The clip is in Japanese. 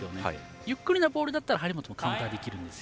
ゆっくりなボールだったら張本もカウンターできるんですよ。